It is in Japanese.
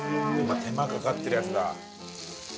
手間かかってるやつだ。